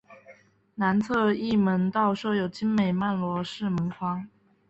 南侧翼门道设有精美的罗曼式门廊。